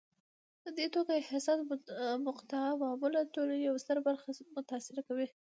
په دې توګه حساسه مقطعه معمولا ټولنې یوه ستره برخه متاثره کوي.